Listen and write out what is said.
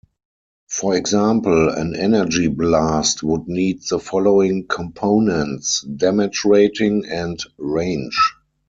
For example, an energy blast would need the following components: "Damage Rating" and "Range".